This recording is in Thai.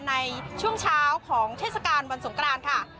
ในช่วงเช้าของเทศกาลวันสงกรานค่ะ